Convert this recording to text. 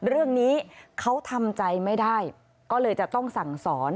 เรื่องนี้เขาทำใจไม่ได้ก็เลยจะต้องสั่งสอน